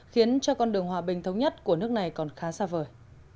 khiến cho con đường hòa bình thống nhất của nước này còn khá xa vời